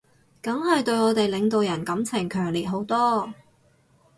梗係對我哋領導人感情強烈好多